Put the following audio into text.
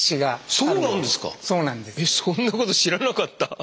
そんなこと知らなかった。